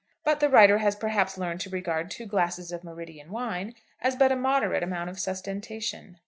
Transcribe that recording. But the writer has perhaps learned to regard two glasses of meridian wine as but a moderate amount of sustentation.